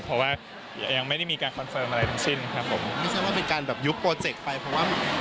เพราะว่ายังไม่ได้มีการคอนเฟิร์นอะไรทั้งสิ้นครับผม